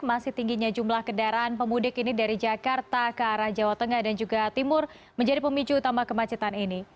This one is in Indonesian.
masih tingginya jumlah kendaraan pemudik ini dari jakarta ke arah jawa tengah dan juga timur menjadi pemicu utama kemacetan ini